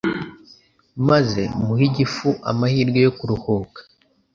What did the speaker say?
maze muhe igifu amahirwe yo kuruhuka.